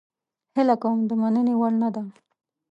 هیله کوم د مننې وړ نه ده.